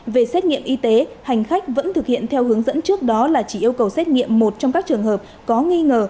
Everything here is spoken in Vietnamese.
về xét nghiệm y tế hành khách vẫn thực hiện theo hướng dẫn trước đó là chỉ yêu cầu xét nghiệm một trong các trường hợp có nghi ngờ